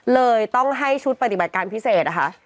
เลยต้องให้ชุดปฏิบัติการพิเศษนะคะ